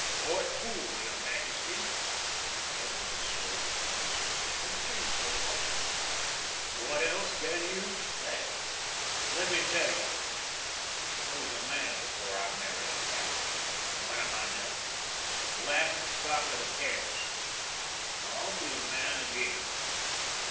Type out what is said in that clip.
"Court fool, your Majesty," said Webb, in his slow tones, which had changed their quality. "What else can you expect? Let me tell you. I was a man before I married a cattle queen. What am I now? The laughing stock of the camps. I'll be a man again."